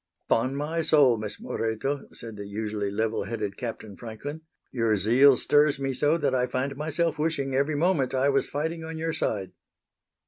"Upon my soul, Miss Moreto," said the usually level headed Captain Franklin, "your zeal stirs me so that I find myself wishing every moment I was fighting on your side."